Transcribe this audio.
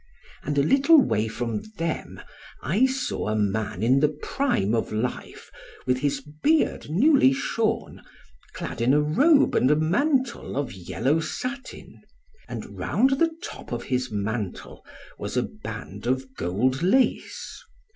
"And a little way from them, I saw a man {17b} in the prime of life, with his beard newly shorn, clad in a robe and a mantle of yellow satin; and round the top of his mantle was a band of gold lace.